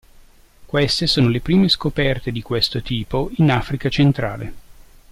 Queste sono le prime scoperte di questo tipo in "Africa Centrale".